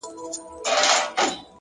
هوښیار انتخابونه روښانه پایلې راوړي,